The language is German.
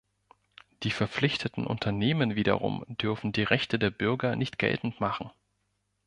Die verpflichteten Unternehmen wiederum dürften die Rechte der Bürger nicht geltend machen.